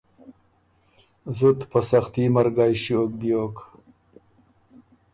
زُت په سختي مرګئ ݭیوک بیوک۔